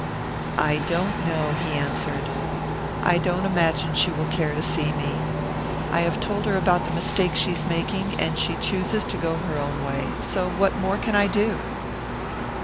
"I don't know," he answered. "I don't imagine she will care to see me. I have told her about the mistake she's making, and she chooses to go her own way. So what more can I do?"